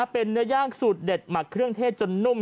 เป็นเนื้อย่างสูตรเด็ดหมักเครื่องเทศจนนุ่ม